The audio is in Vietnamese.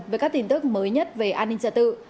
với các tin tức mới nhất về an ninh trật tự